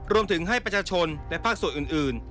รวมถึงให้ประชาชนและภาคส่วนอื่น